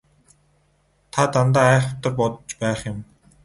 Та дандаа айхавтар бодож байх юм.